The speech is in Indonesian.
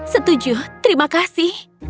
setuju terima kasih